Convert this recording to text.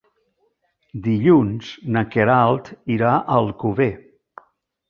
Dilluns na Queralt irà a Alcover.